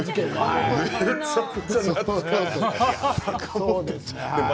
そうですね。